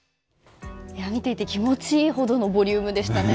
見ていて気持ちいいほどのボリュームでしたね。